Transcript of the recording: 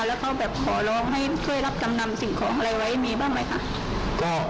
แล้วเขาขอร้องให้ช่วยรับจำนำ